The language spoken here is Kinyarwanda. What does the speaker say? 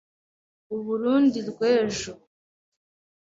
u Burunndi rw’ejo